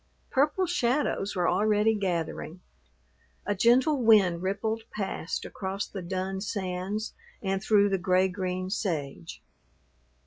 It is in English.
Purple shadows were already gathering. A gentle wind rippled past across the dun sands and through the gray green sage.